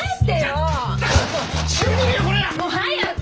もう早く！